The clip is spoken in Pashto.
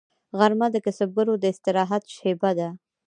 غرمه د کسبګرو د استراحت شیبه ده